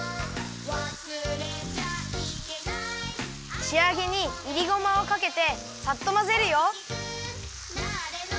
「わすれちゃイケナイ」しあげにいりごまをかけてさっとまぜるよ。